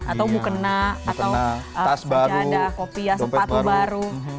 atau mukena atau sejadah kopi sepatu baru